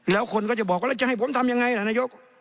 แล้วคนก็จะบอกว่าแล้วจะให้ผมทำยังไงล่ะนายก